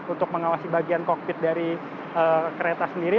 untuk mengawasi bagian kokpit dari kereta sendiri